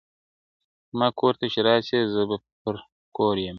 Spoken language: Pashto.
زما کور ته چي راسي زه پر کور يمه,